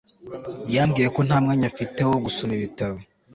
Yambwiye ko nta mwanya afite wo gusoma ibitabo